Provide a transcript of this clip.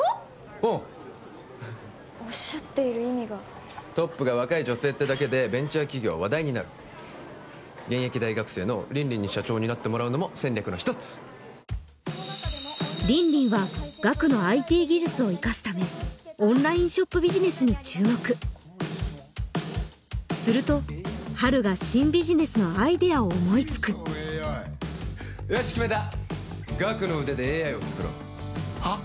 うんおっしゃっている意味がトップが若い女性ってだけでベンチャー企業は話題になる現役大学生の凜々に社長になってもらうのも戦略の一つ凜々はガクのＩＴ技術をいかすためするとハルが新ビジネスのアイデアを思いつくよし決めたガクの腕でＡＩを作ろうはっ？